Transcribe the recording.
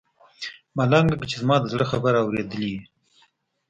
ملنګ لکه چې زما د زړه خبره اورېدلې وي.